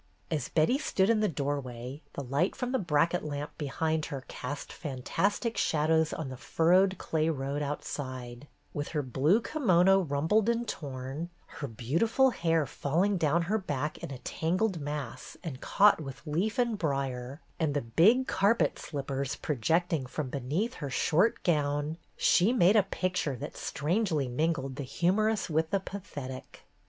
As Betty stood in the doorway, the light from the bracket lamp behind her cast fan tastic shadows on the furrowed clay road out side; with her blue kimono rumpled and torn, her beautiful hair falling down her back in a tangled mass and caught with leaf and brier, and the big carpet slippers projecting from beneath her short gown, she made a picture that strangely mingled the humorous with the pathetic.